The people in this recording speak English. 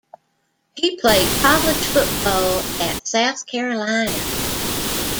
He played college football at South Carolina.